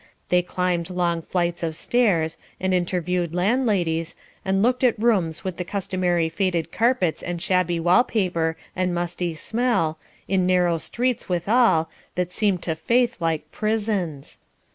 They climbed long flights of stairs, and interviewed landladies, and looked at rooms with the customary faded carpets and shabby wall paper and musty smell, in narrow streets withal, that seemed to Faith like prisons.